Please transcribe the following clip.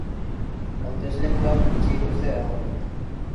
Hauteslekuak itxi dituzte dagoeneko.